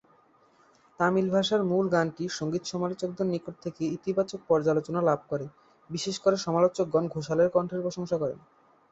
তামিল ভাষার মূল গানটি সঙ্গীত সমালোচকদের নিকট থেকে ইতিবাচক পর্যালোচনা লাভ করে, বিশেষ করে সমালোচকগণ ঘোষালের কণ্ঠের প্রশংসা করেন।